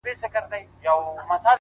د ښكلا ميري د ښكلا پر كلي شــپه تېروم ـ